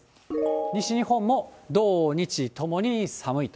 西日本も土日ともに寒いと。